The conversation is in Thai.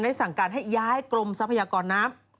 สั่งการให้ย้ายกรมทรัพยากรน้ำ